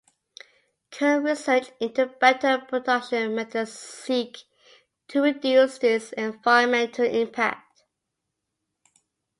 Current research into better production methods seek to reduce this environmental impact.